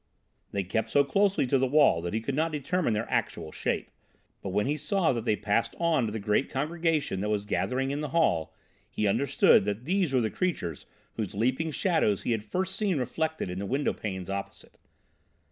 They kept so closely to the wall that he could not determine their actual shape, but when he saw that they passed on to the great congregation that was gathering in the hall, he understood that these were the creatures whose leaping shadows he had first seen reflected in the windowpanes opposite.